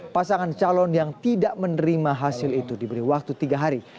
pasangan calon yang tidak menerima hasil itu diberi waktu tiga hari